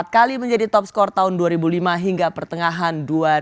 empat kali menjadi top skor tahun dua ribu lima hingga pertengahan dua ribu dua puluh